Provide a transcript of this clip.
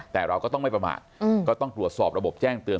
แต่เราก็ต้องไม่ประมาทก็ต้องตรวจสอบระบบแจ้งเตือน